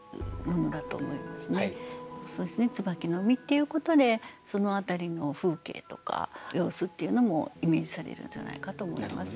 「椿の実」っていうことでその辺りの風景とか様子っていうのもイメージされるんじゃないかと思います。